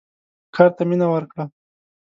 کار ته مینه ورکړه.